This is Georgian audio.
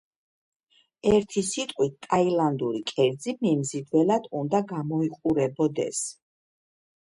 ერთი სიტყვით, ტაილანდური კერძი მიმზიდველად უნდა გამოიყურებოდეს.